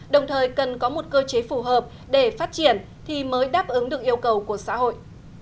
đồng thời cần có một cơ chế phù hợp để phát triển thì mới đáp ứng được yêu cầu của xã hội